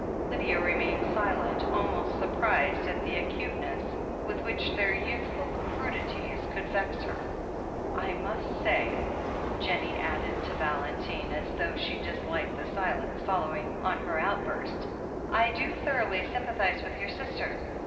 Lydia remained silent, almost surprised at the acute ness with which their youthful crudities could vex her. "I must say," Jennie added to Valentine, as though THE HEEL OF ACHILLES 383 she disliked the silence following on her outburst, "I do thoroughly s)mipathize with your sister.